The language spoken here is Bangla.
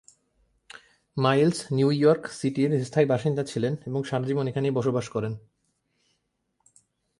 মাইলস নিউ ইয়র্ক সিটির স্থায়ী বাসিন্দা ছিলেন এবং সারাজীবন এখানেই বসবাস করেন।